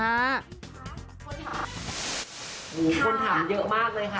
ค่ะคุณถาม